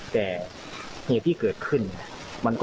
แต่ที่เกิดขึ้น